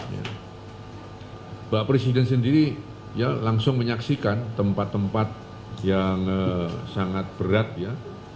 mbak presiden sendiri ya langsung menyaksikan tempat tempat yang sangat berat ya